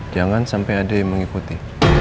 jangan sampai ada yang mengikuti